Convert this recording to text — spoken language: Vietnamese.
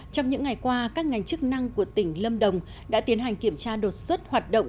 trong những ngày qua các ngành chức năng của tỉnh lâm đồng đã tiến hành kiểm tra đột xuất hoạt động